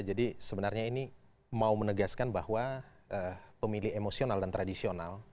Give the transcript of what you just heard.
jadi sebenarnya ini mau menegaskan bahwa pemilih emosional dan tradisional